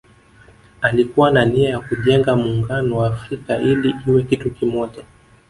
Alikuwa na nia ya kujenga Muungano wa Afrika ili iwe kitu kimoja